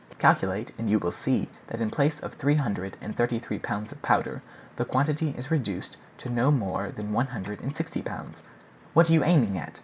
Calculate, and you will see that in place of three hundred and thirty three pounds of powder, the quantity is reduced to no more than one hundred and sixty pounds." "What are you aiming at?"